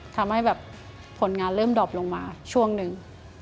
ทำให้แบบผลงานเริ่มดอบลงมาช่วงหนึ่ง